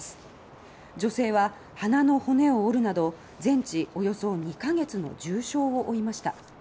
女性は鼻の骨を折るなど全治およそ２か月の重傷を負いました。